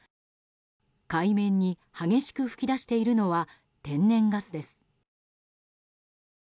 海面に激しく噴き出しているのは天然ガスです。